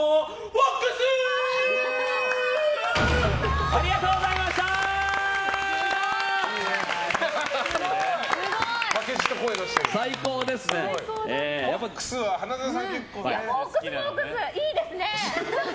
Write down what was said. フォックス、フォックスいいですね。